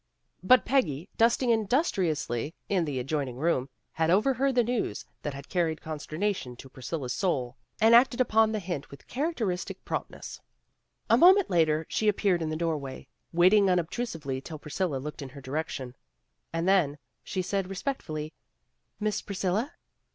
But Peggy, dusting' industriously in the ad joining room, had overheard the news that had carried consternation to Priscilla 's soul, and acted upon the hint with characteristic prompt ness. A moment later she appeared in the doorway, waiting unobtrusively till Priscilla looked in her direction. And then she said re spectfully, "Miss Priscilla."